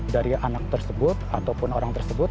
dari anak tersebut ataupun orang tersebut